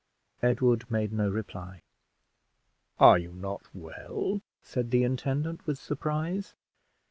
Edward made no reply. "Are you not well?" said the intendant, with surprise.